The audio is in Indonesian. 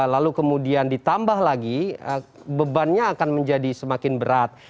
lalu kemudian ditambah lagi bebannya akan menjadi semakin berat